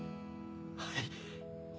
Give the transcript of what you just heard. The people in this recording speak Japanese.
はい。